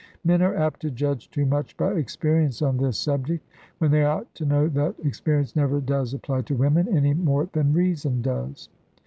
Men are apt to judge too much by experience on this subject; when they ought to know that experience never does apply to women, any more than reason does.